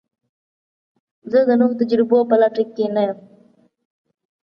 زه د نوو تجربو په لټه کې نه یم.